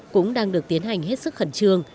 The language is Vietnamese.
cũng đang được tiến hành hết sức khẩn trương